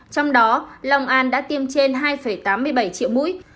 trong đó long an đã tiêm trên hai tám mươi bảy triệu mũi